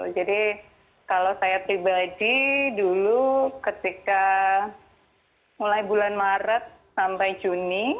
jadi kalau saya pribadi dulu ketika mulai bulan maret sampai juni